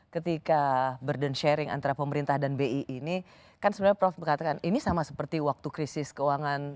ketika burden sharing antara pemerintah dan bi ini kan sebenarnya prof mengatakan ini sama seperti waktu krisis keuangan